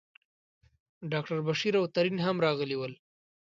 ډاکټر بشیر او ترین هم راغلي ول.